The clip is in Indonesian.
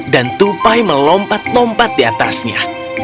dan tupai melompat lompat di atasnya